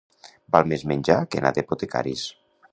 Val més menjar que anar d'apotecaris.